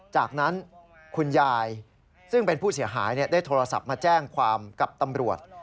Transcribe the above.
จากนั้นคุณยายซึ่งเป็นผู้เสียหายได้โทรศัพท์มาแจ้งความกับตำรวจ